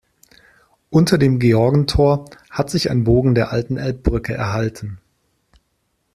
Unter dem Georgentor hat sich ein Bogen der alten Elbbrücke erhalten.